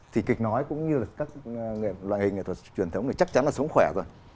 thì kịch nói cũng như các loại nghệ thuật truyền thống này chắc chắn là sống khỏe rồi